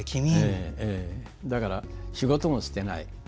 だから仕事も捨てない。